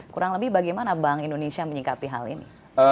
kurang lebih bagaimana bank indonesia menyikapi hal ini